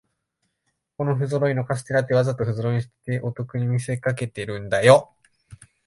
ここのふぞろいカステラって、わざとふぞろいにしてお得に見せかけてるんだよ